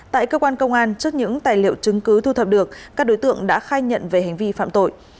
tại cơ quan công an trước những tài liệu chứng cứ thu thập được các đối tượng đã khai nhận về hành vi phạm tội